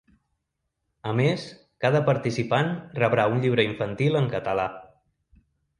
A més, cada participant rebrà un llibre infantil en català.